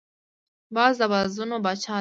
باز د بازانو پاچا دی